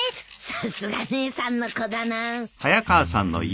さすが姉さんの子だな。